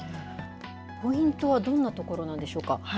ポイントはどんなところなんでしょうか。